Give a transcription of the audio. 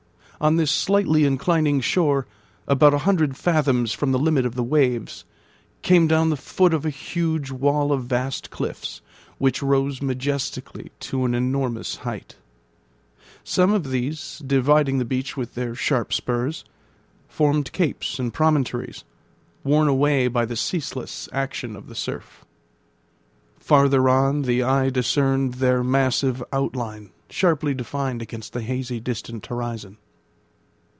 On this slightly inclining shore, about a hundred fathoms from the limit of the waves, came down the foot of a huge wall of vast cliffs, which rose majestically to an enormous height. Some of these, dividing the beach with their sharp spurs, formed capes and promontories, worn away by the ceaseless action of the surf. Farther on the eye discerned their massive outline sharply defined against the hazy distant horizon.